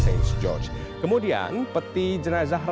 kemudian peti jenazah ratu akan dihubungi dengan peti jenazah di castle windsor